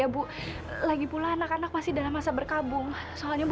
apaan itu rambutnya